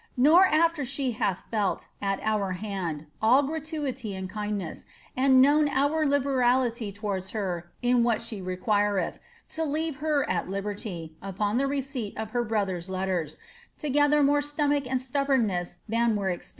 Nor after she hath felt, our hand, all gralnity and kindness, and known our liberality towards hi !T! what she retjuireth, to leave her at tiberly, upon the receipt of hi !.n>tlici's letters, to gather more stomach and stubbornness than weii \ |M.